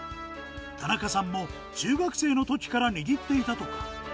田中さんも中学生のときから握っていたと。